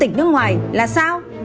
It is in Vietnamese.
quốc tịch nước ngoài là sao